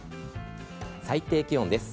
最低気温です。